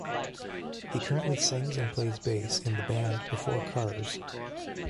He currently sings and plays bass in the band Before Cars.